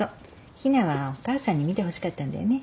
陽菜はお母さんに見てほしかったんだよね？